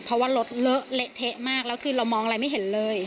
เพราะว่ารถเลอะเละเทะมากแล้วคือเรามองอะไรไม่เห็นเลย